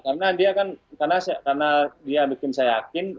karena dia kan karena dia bikin saya yakin